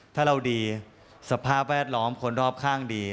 ถ้าเราดีสภาพแวดล้อมคนรอบข้างดี